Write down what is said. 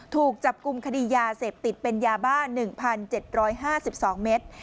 ถูกจับกลุ่มคดียาเสพติดเป็นยาบ้า๑๗๕๒เมตร